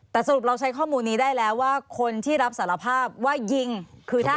แต่สรุปเราใช้ข้อมูลนี้ได้แล้วว่าคนที่รับสารภาพว่ายิงคือถ้า